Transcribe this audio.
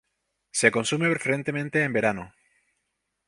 Se consume preferentemente en verano.